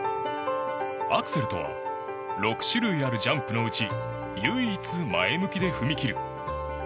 アクセルとは６種類あるジャンプのうち唯一、前向きで踏み切る。